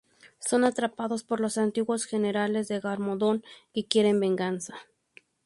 Son atrapados por los antiguos generales de Garmadon, que quieren venganza.